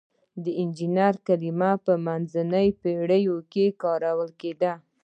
د انجینر کلمه په منځنیو پیړیو کې کارول کیده.